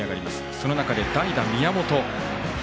その中で代打、宮本。